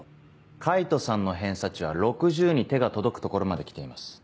海斗さんの偏差値は６０に手が届く所まで来ています。